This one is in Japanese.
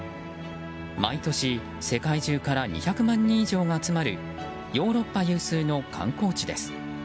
毎年、世界中から２００万人以上が集まるヨーロッパ有数の観光地です。